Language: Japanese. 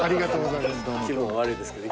気分悪いですけど。